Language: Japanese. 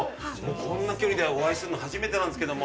こんな距離でお会いするの初めてなんですけども。